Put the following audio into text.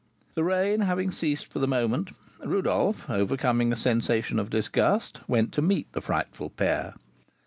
The rain having ceased for the moment, Rodolph, overcoming a sensation of disgust, went to meet the frightful pair.